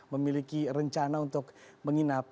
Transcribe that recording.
memiliki rencana untuk menginap